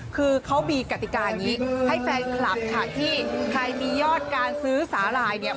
คือเขามีกติกาอย่างนี้ให้แฟนคลับค่ะที่ใครมียอดการซื้อสาหร่ายเนี่ย